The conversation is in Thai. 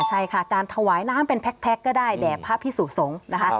ใช่ค่ะการถวายน้ำเป็นแพ็คก็ได้แด่พระพิสุสงฆ์นะคะ